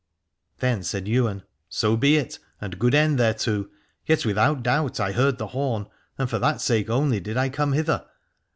Then said Ywain : So be it, and good end thereto : yet without doubt I heard the horn, and for that sake only did I come hither.